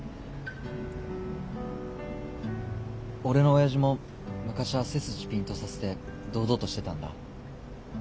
俺の親父も昔は背筋ピンとさせて堂々としてたんだ。